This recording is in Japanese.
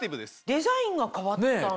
デザインが変わったの？